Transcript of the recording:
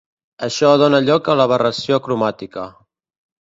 Això dóna lloc a l'aberració cromàtica.